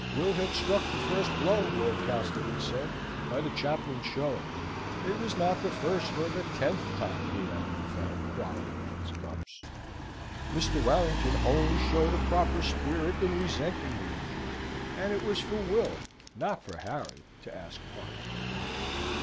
Will had struck the first blow, Lord Castlewood said, by the chaplain's showing. It was not the first or the tenth time he had been found quarrelling in his cups. Mr. Warrington only showed a proper spirit in resenting the injury, and it was for Will, not for Harry, to ask pardon.